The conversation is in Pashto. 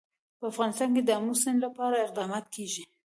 په افغانستان کې د آمو سیند لپاره اقدامات کېږي.